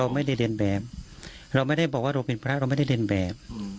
มันเป็นเนื้อตาอย่างไรครับ